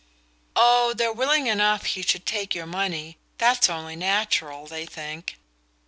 "Oh, they're willing enough he should take your money that's only natural, they think."